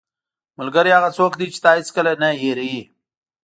ملګری هغه څوک دی چې تا هیڅکله نه هېروي.